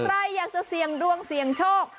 ใครอยากจะเสี่ยงดวงเสี่ยงโชค